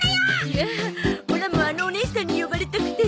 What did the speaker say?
いやぁオラもあのおねいさんに呼ばれたくって。